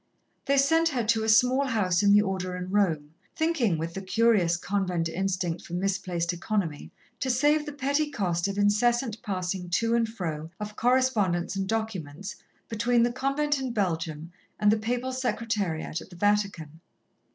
They sent her to a small house of the Order in Rome, thinking, with the curious convent instinct for misplaced economy, to save the petty cost of incessant passing to and fro of correspondence and documents, between the convent in Belgium and the Papal Secretariat at the Vatican.